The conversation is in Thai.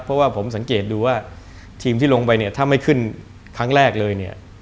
เพราะว่าผมสังเกตดูว่าทีมที่ลงไปเนี่ยถ้าไม่ขึ้นครั้งแรกเลยเนี่ย